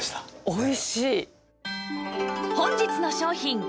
おいしい。